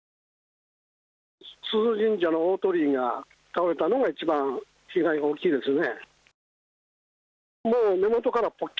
須須神社の大鳥居が倒れたのが一番被害が大きいですね。